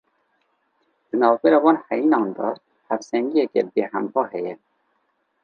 Di navbera van heyînan de hevsengiyeke bêhempa heye.